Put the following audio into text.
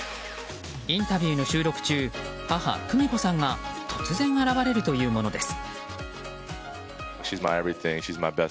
インタビューの収録中母・久美子さんが突然現れるというものです。